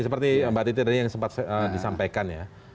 seperti mbak titi tadi yang sempat disampaikan ya